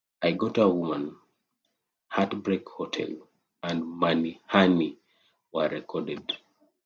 "I Got a Woman", "Heartbreak Hotel", and "Money Honey" were recorded.